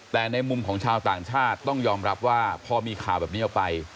แต่ในมุมของชาวต่างชาติต้องยอมรับว่าพอมีข่าวแบบนี้ออกไป